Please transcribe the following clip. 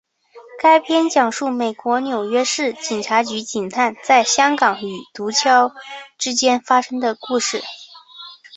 该片讲述美国纽约市警察局警探在香港与毒枭之间发生的故事。